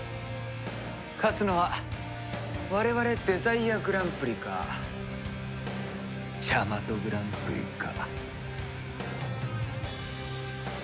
勝つのは我々デザイアグランプリかジャマトグランプリか。